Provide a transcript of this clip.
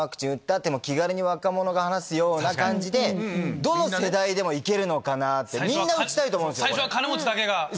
って、気軽に若者が話すような感じで、どの世代でもいけるのかなって、みんな打ちたいと思うんですよ、これ。